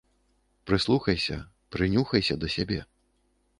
Прыслухайся, прынюхайся да сябе.